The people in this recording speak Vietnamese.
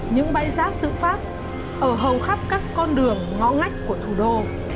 những bãi rác tự phát ở hầu khắp các con đường ngõ ngách của thủ đô